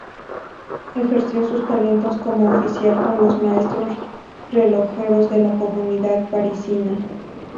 Ejerció sus talentos como oficial con los maestros relojeros de la comunidad parisina.